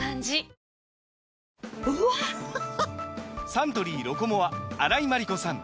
サントリー「ロコモア」荒井眞理子さん